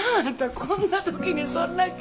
こんな時にそんな急に。